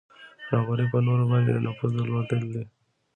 رهبري په نورو باندې د نفوذ درلودل دي.